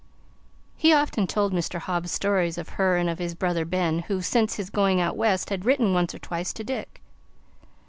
He often told Mr. Hobbs stories of her and of his brother Ben, who, since his going out West, had written once or twice to Dick.